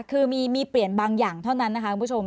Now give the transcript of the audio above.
คือมีเปลี่ยนบางอย่างเท่านั้นนะคะคุณผู้ชม